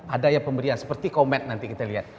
ada ya pemberian seperti komet nanti kita lihat